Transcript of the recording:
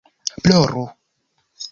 ploru